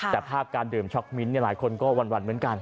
แต่ภาพการดื่มช็อกมิ้นหลายคนก็หวั่นเหมือนกัน